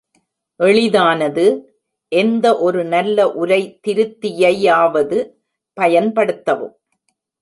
எளிதானது, எந்த ஒரு நல்ல உரை திருத்தியையாவது பயன்படுத்தவும்.